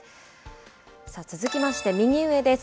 続きまして、右上です。